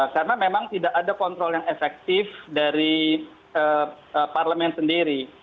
karena memang tidak ada kontrol yang efektif dari parlement sendiri